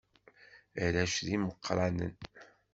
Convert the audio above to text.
Arrac d imeqqranen.